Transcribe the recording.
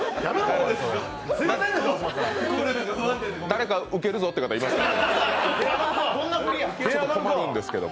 誰か、ウケるぞという方いますか？